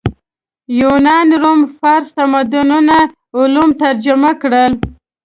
یونان روم فارس تمدنونو علوم ترجمه کړل